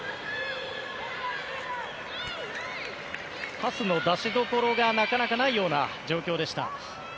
パスの出しどころがなかなかないような状況でした。